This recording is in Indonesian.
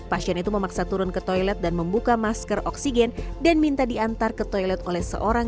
pasien itu memaksa turun ke toilet dan membuka masker oksigen dan minta diantar ke toilet oleh seorang